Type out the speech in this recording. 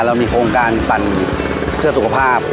เรามีโครงการปั่นเพื่อสุขภาพ